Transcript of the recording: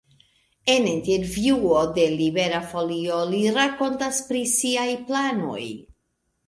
En intervjuo de Libera Folio li rakontas pri siaj planoj.